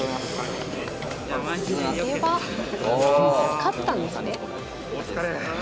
勝ったんですね。